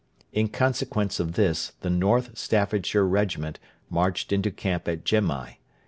In consequence of this the North Staffordshire Regiment marched into camp at Gemai.